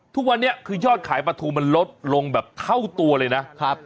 ทุกวันนี้คือยอดขายปลาทูมันลดลงแบบเท่าตัวเลยนะครับ